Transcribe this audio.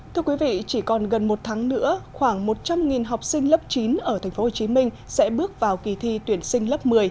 thưa quý vị chỉ còn gần một tháng nữa khoảng một trăm linh học sinh lớp chín ở tp hcm sẽ bước vào kỳ thi tuyển sinh lớp một mươi